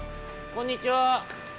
こんにちは！